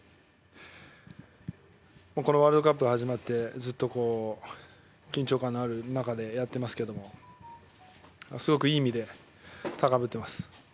このワールドカップが始まってずっと緊張感のある中でやっていますがすごくいい意味で高ぶっています。